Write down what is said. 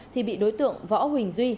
thì bị đối tượng võ huỳnh duy